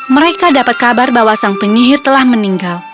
mereka dapat kabar bahwa sang penyihir telah meninggal